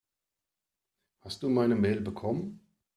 Hast du meine Mail bekommen?